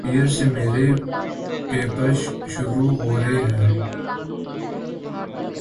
پیر سے میرے پیپر شروع ہورہے ھیںـ